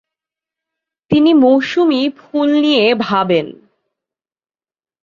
তিনি মৌসুমী ফুল নিয়ে ভাবেন।